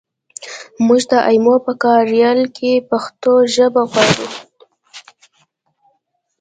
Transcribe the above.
مونږ د ایمو په کاریال کې پښتو ژبه غواړو